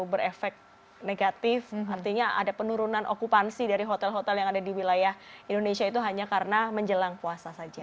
berefek negatif artinya ada penurunan okupansi dari hotel hotel yang ada di wilayah indonesia itu hanya karena menjelang puasa saja